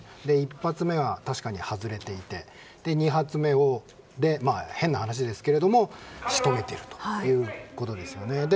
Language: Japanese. １発目は確かに外れていて２発目で、変な話ですけれども仕留めているということですよね。